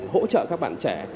hỗ trợ các bạn trẻ